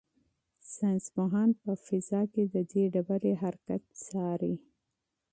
ساینس پوهان په فضا کې د دې ډبرې حرکت څاري.